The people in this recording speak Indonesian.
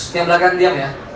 yang belakang diam ya